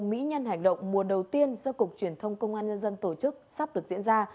mỹ nhân hành động mùa đầu tiên do cục truyền thông công an nhân dân tổ chức sắp được diễn ra